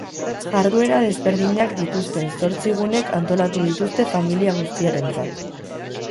Jarduera ezberdinak dituzten zortzi gunek antolatu dituzte familia guztiarentzat.